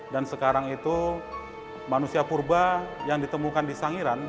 dan sekarang itu manusia purba yang ditemukan di sangiran